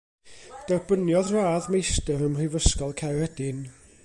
Derbyniodd Radd Meistr ym Mhrifysgol Caeredin.